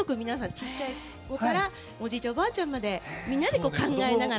ちっちゃい子からおじいちゃん、おばあちゃんまでみんなで考えながら。